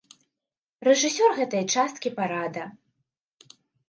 Рэжысёр гэтай часткі парада.